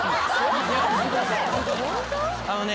あのね